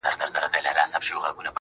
وايې خـــره! ستا لهٔ خيده ســره څهٔ دي